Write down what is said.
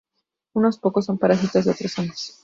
Unos pocos son parásitos de otros hongos.